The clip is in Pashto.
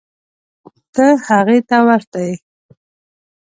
ته هغې ته ورته یې.